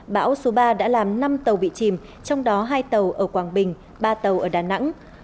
bão số ba đã làm năm tàu bị chìm trong đó hai tàu ở quảng bình ba tàu ở đà nẵng